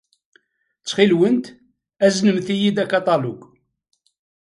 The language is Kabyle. Ttxil-went, aznemt-iyi-d akaṭalug.